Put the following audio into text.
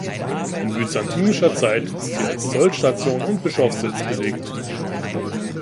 In byzantinischer Zeit ist sie als Zollstation und Bischofssitz belegt.